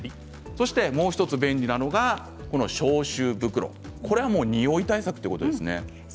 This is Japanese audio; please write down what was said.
もう１つ便利なのが消臭袋におい対策ということですね。